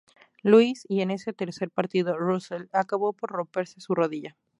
Louis, y en ese tercer partido Russell acabó por romperse su rodilla.